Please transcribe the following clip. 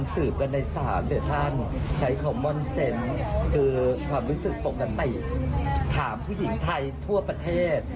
คือความรู้สึกปกติถามผู้หญิงไทยทั่วประเทศ